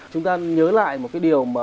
chúng ta nhớ lại một cái điều mà